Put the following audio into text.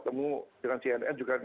ketemu dengan cnn juga